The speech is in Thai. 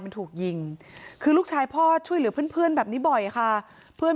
มันถูกยิงคือลูกชายพ่อช่วยเหลือเพื่อนแบบนี้บ่อยค่ะเพื่อน